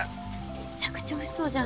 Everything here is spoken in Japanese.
むちゃくちゃおいしそうじゃん。